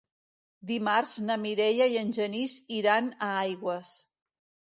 Dimarts na Mireia i en Genís iran a Aigües.